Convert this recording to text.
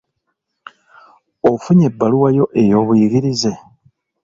Ofunye ebbaluwa yo ey'obuyigirize?